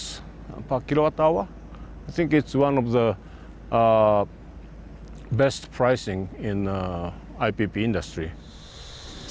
saya pikir ini adalah salah satu pricing terbaik dalam industri ipp